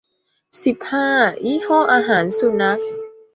สิบห้า ยี่ห้ออาหารสุนัข